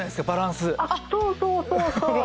あっそうそうそうそう。